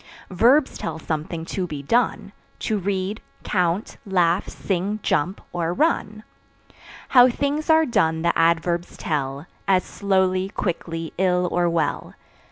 Verbs tell something to be done To read, count, laugh, sing, jump or run. How things are done the Adverbs tell As slowly, quickly, ill or well.